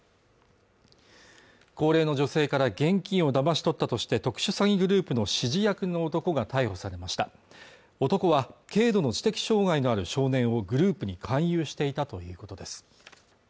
高齢の女性から現金をだまし取ったとして特殊詐欺グループの指示役の男が逮捕されました男は軽度の知的障害のある少年をグループに勧誘していたということです